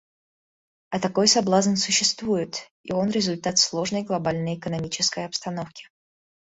А такой соблазн существует, и он результат сложной глобальной экономической обстановки.